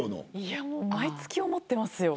毎月思ってますよ。